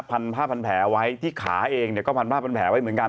พันผ้าพันแผลไว้ที่ขาเองเนี่ยก็พันผ้าพันแผลไว้เหมือนกัน